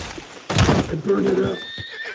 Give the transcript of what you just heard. I burnt it up.